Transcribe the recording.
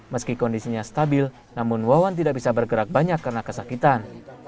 meski kondisinya stabil namun wawan tidak bisa bergerak banyak karena kesakitan